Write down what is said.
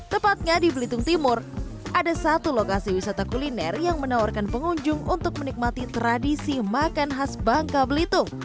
tepatnya di belitung timur ada satu lokasi wisata kuliner yang menawarkan pengunjung untuk menikmati tradisi makan khas bangka belitung